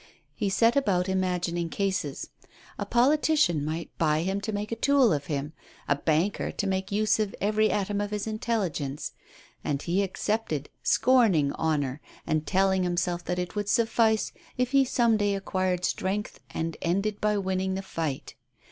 He set about ijnagining cases: a politician might buy him to make a tool of him, a banker to make use of every atom of his intelligence; and he accepted, scorning honor, A STARTLING PROPOSITION. 71 and telling himself that it would suffice if he some day acquired strength and ended by winning the fight.